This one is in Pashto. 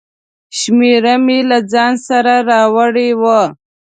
شمېره مې له ځانه سره راوړې وه.